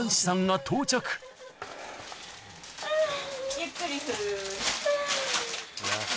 ゆっくりする。